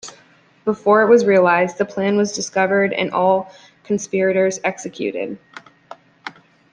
Before it was realized, the plan was discovered and all conspirators executed.